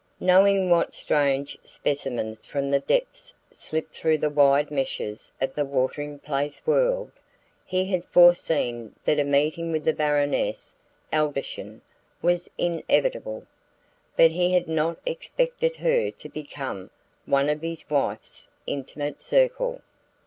Knowing what strange specimens from the depths slip through the wide meshes of the watering place world, he had foreseen that a meeting with the Baroness Adelschein was inevitable; but he had not expected her to become one of his wife's intimate circle.